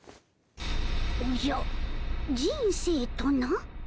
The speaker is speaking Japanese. おじゃ人生とな？